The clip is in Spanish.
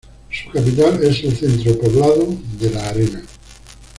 Su capital es el centro poblado de La Arena.